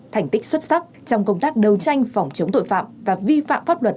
thành tích xuất sắc trong công tác đấu tranh phòng chống tội phạm và vi phạm pháp luật